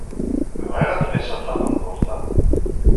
Bɣiɣ ad qisseɣ taqendurt-a.